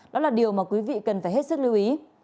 đó là điều mà quý vị cần phải hết sức lưu ý